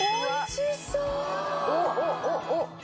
おっ！